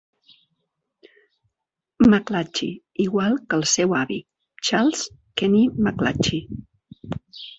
McClatchy, igual que el seu avi, Charles Kenny McClatchy.